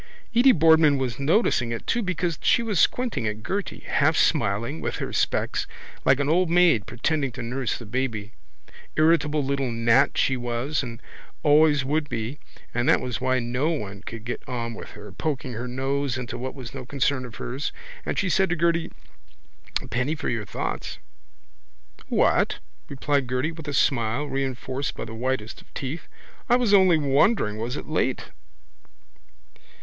Edy Boardman was noticing it too because she was squinting at Gerty, half smiling, with her specs like an old maid, pretending to nurse the baby. Irritable little gnat she was and always would be and that was why no one could get on with her poking her nose into what was no concern of hers. And she said to Gerty: —A penny for your thoughts. —What? replied Gerty with a smile reinforced by the whitest of teeth. I was only wondering was it late.